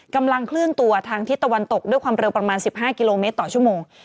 กำลังเคลื่อนตัวทางทิศตะวันตกด้วยความเร็วประมาณ๑๕กิโลเมตรต่อชั่วโมง